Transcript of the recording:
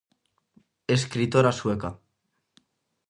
Escritora sueca.